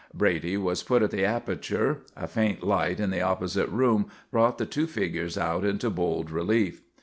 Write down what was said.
Brady was put at the aperture. A faint light in the opposite room brought the two figures out into bold relief.